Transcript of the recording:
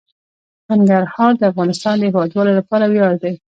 ننګرهار د افغانستان د هیوادوالو لپاره ویاړ دی.